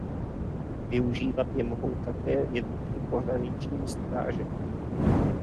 Využívat je mohou také jednotky pohraniční stráže.